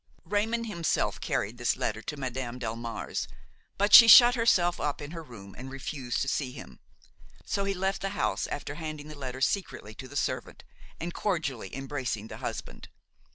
Raymon himself carried this letter to Madame Delmare's; but she shut herself up in her room and refused to see him. So he left the house after handing the letter secretly to the servant and cordially embracing the husband.